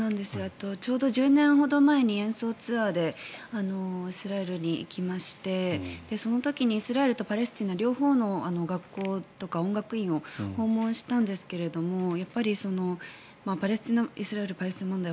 ちょうど１０年ほど前に演奏ツアーでイスラエルに行きましてその時にイスラエルとパレスチナ両方の学校とか音楽院を訪問したんですけどイスラエル、パレスチナ問題